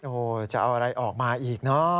โอ้โหจะเอาอะไรออกมาอีกเนอะ